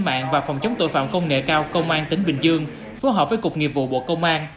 phòng an ninh mạng và phòng chống tội phạm công nghệ cao công an tỉnh bình dương phối hợp với cục nghiệp vụ bộ công an